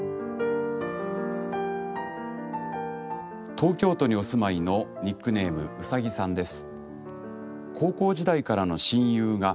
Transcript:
東京都にお住まいのニックネームうさぎさんです。